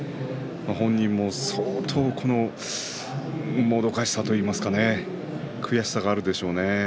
本人も相当もどかしさといいますか悔しさがあるでしょうね。